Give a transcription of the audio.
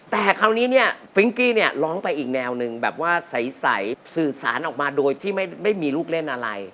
แต่คราวนี้เนี่ยฟิงกี้เนี่ยร้องไปอีกแนวหนึ่งแบบว่าใสสื่อสารออกมาโดยที่ไม่มีลูกเล่นอะไร